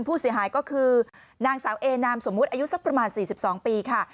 ผู้เสียหายก็คือนางสาวเอนามสมมุติอายุสักประมาณ๔๒ปีค่ะ